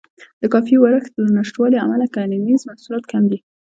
د کافي ورښت له نشتوالي امله کرنیز محصولات کم دي.